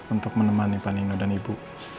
untuk menemani panino dan ibu